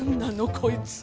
こいつ。